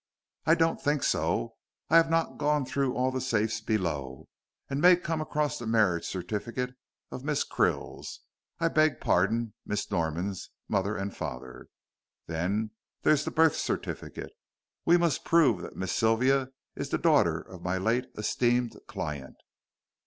"I don't think so. I have not gone through all the safes below, and may come across the marriage certificate of Miss Krill's I beg pardon, Miss Norman's mother and father. Then there's the birth certificate. We must prove that Miss Sylvia is the daughter of my late esteemed client."